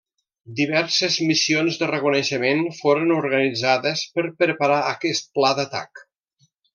Diverses missions de reconeixement foren organitzades per preparar aquest pla d'atac.